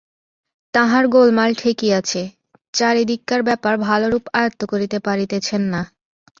তাঁহার গোলমাল ঠেকিয়াছে, চারিদিককার ব্যাপার ভালরূপ আয়ত্ত করিতে পারিতেছেন না।